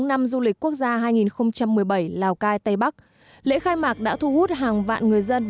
năm du lịch quốc gia hai nghìn một mươi bảy lào cai tây bắc lễ khai mạc đã thu hút hàng vạn người dân